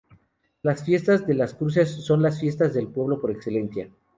Las fiestas de las cruces son las fiestas del pueblo por excelencia.